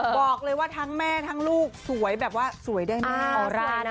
บอกเลยว่าทั้งแม่ทั้งลูกสวยแบบว่าสวยได้แม่ออร่านะ